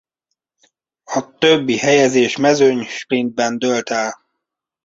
A többi helyezés mezőnysprintben dőlt el.